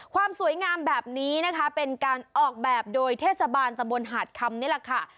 ความสวยงามแบบนี้นะคะเป็นการออกแบบโดยเทศบาลตะบนหาดคำนี่แหละค่ะ